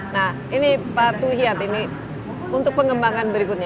nah ini pak tuhiat ini untuk pengembangan berikutnya